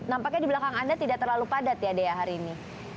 nampaknya di belakang anda tidak terlalu padat ya dea hari ini